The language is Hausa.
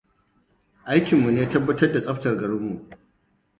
Aikinmu ne tabbatar da tsaftar garinmu.